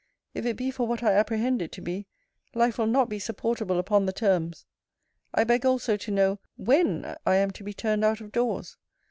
If it be for what I apprehend it to be, life will not be supportable upon the terms. I beg also to know, WHEN I am to be turned out of doors!